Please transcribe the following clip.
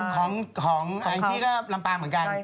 ซึ่งของของอังจริกก็ลำปางเหมือนกัน